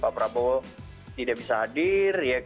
pak prabowo tidak bisa hadir